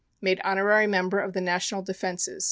Made Honorary Member of the National Defences.